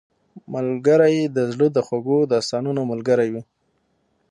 ملګری د زړه د خوږو داستانونو ملګری وي